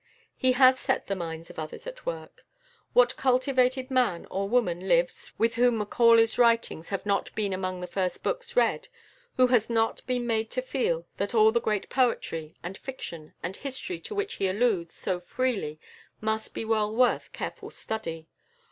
He has set the minds of others at work. What cultivated man or woman lives, with whom Macaulay's writings have not been among the first books read, who has not been made to feel that all the great poetry, and fiction, and history to which he alludes so freely must be well worth careful study?